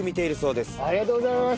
ありがとうございます。